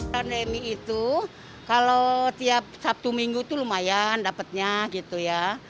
pandemi itu kalau tiap sabtu minggu itu lumayan dapatnya gitu ya